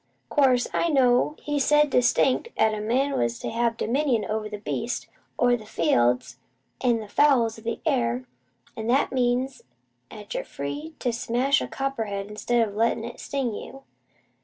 Course, I know 'at He said distinct 'at man was to have `dominion over the beasts o' the field, an' the fowls o' the air' An' that means 'at you're free to smash a copperhead instead of letting it sting you.